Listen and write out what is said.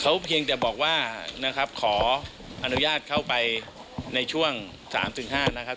เขาเพียงแต่บอกว่านะครับขออนุญาตเข้าไปในช่วง๓๕นะครับ